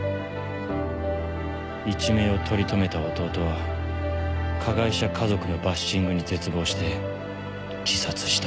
一命を取り留めた弟は加害者家族のバッシングに絶望して自殺した。